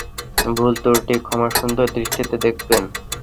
ভুল-ত্রুটি ক্ষমাসুন্দর দৃষ্টিতে দেখবেন।